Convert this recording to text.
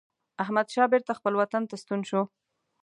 احمدشاه بیرته خپل وطن ته ستون شو.